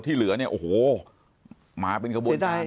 ที่เหลือเนี่ยโอ้โหม้าเป็นกระบวนการ